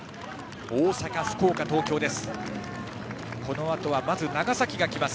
大阪、福岡、東京です。